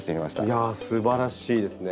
いやあすばらしいですね。